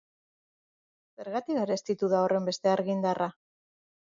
Zergatik garestitu da horrenbeste argindarra?